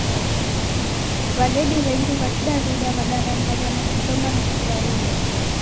W'adedi wengi wa Kidaw'ida w'adaranganya na kijomba na kiswahili